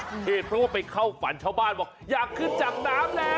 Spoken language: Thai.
เพราะเป็นเองเข้าฝั่นเช้าบ้านบอกอยากขึ้นจากน้ำแล้ว